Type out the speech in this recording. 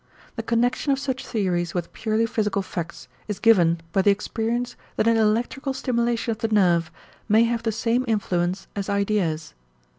The connection of such theories with purely physical facts is given by the experience that an electrical stimulation of the nerve may have the same influence as ideas.